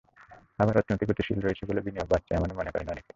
আবার অর্থনীতি গতিশীল রয়েছে বলে বিনিয়োগ বাড়ছে, এমনও মনে করেন অনেকে।